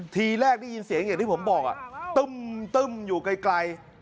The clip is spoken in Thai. ทีแรกฟิเงียนเสียงอย่างที่ผมบอกอ่ะตึ้มตึ้มอยู่ไกล